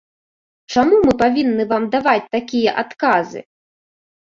Чаму мы павінны вам даваць такія адказы?